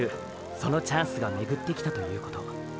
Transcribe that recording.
そのチャンスが巡ってきたということ。